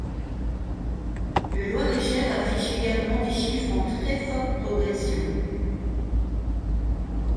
Le Loir-et-Cher affiche également des chiffres en très forte progression.